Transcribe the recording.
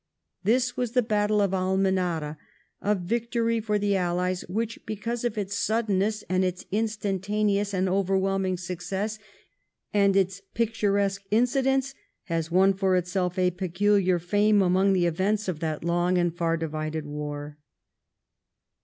This was the battle of Almenara, a victory for the Allies, which because of its suddenness, its in stantaneous and overwhelming success, and its pictu resque incidents, has won for itself a peculiar fame among the events of that long and far divided war.